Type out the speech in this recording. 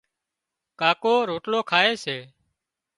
ڪاڪو روٽلو کائي سي